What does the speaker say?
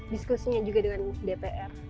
diskusinya juga dengan dpr